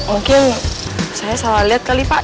mungkin saya salah lihat kali pak